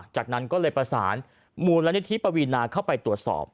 จากนั้นก็เลยประสานมูลนิธิปวีนาเข้าไปตรวจสอบ